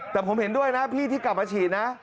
แต่ผมเห็นด้วยนะพี่ที่กลับมาฉีดนะ